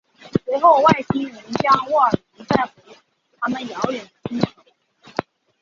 随后外星人将沃尔隆带回他们遥远的星球。